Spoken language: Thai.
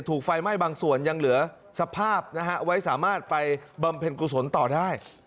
ถูกไฟไหม้บางส่วนยังเหลือสภาพนะฮะไว้สามารถไปบำเพ็ญกุศลต่อได้